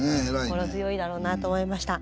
心強いだろうなと思いました。